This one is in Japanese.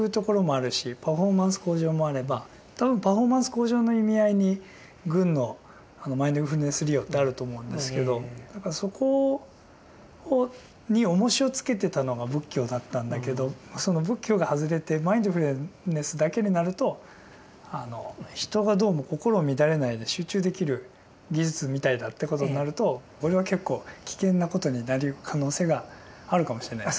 パフォーマンス向上もあれば多分パフォーマンス向上の意味合いに軍のマインドフルネス利用ってあると思うんですけどだからそこにおもしをつけてたのが仏教だったんだけどその仏教が外れてマインドフルネスだけになると人がどうも心を乱れないで集中できる技術みたいだってことになるとこれは結構危険なことになりうる可能性があるかもしれないですね。